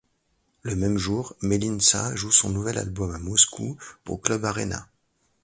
Le même jour, Melnitsa joue son nouvel album à Moscou, au club Arena.